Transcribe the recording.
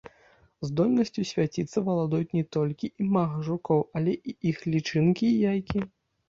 Здольнасцю свяціцца валодаюць не толькі імага жукоў, але і іх лічынкі і яйкі.